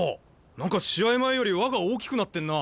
何か試合前より輪が大きくなってんな。